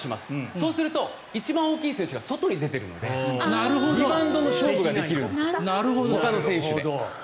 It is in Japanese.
そうすると一番大きい選手が外に出ているのでリバウンドができるんですほかの選手で。